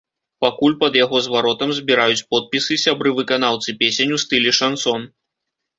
Пакуль пад яго зваротам збіраюць подпісы сябры выканаўцы песень у стылі шансон.